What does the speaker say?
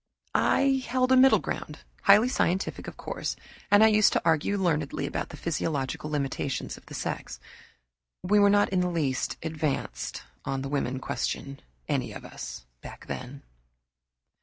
I held a middle ground, highly scientific, of course, and used to argue learnedly about the physiological limitations of the sex. We were not in the least "advanced" on the woman question, any of us, then.